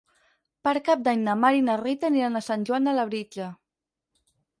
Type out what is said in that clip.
Per Cap d'Any na Mar i na Rita aniran a Sant Joan de Labritja.